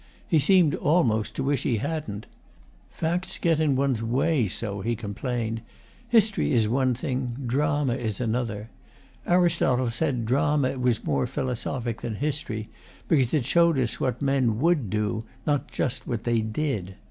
He seemed almost to wish he hadn't. 'Facts get in one's way so,' he complained. 'History is one thing, drama is another. Aristotle said drama was more philosophic than history because it showed us what men WOULD do, not just what they DID.